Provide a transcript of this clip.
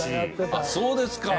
あっそうですか。